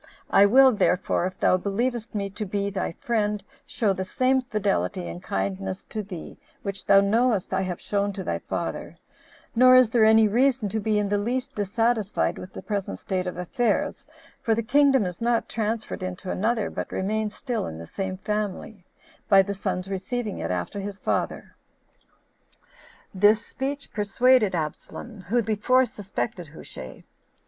I will therefore, if thou believest me to be thy friend, show the same fidelity and kindness to thee, which thou knowest I have shown to thy father; nor is there any reason to be in the least dissatisfied with the present state of affairs, for the kingdom is not transferred into another, but remains still in the same family, by the son's receiving it after his father." This speech persuaded Absalom, who before suspected Hushai.